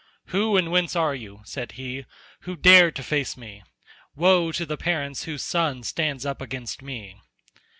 "Who and whence are you," said he, "who dare to face me? Woe to the parents whose son stands up against me."